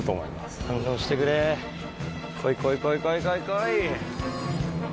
こいこいこいこいこい。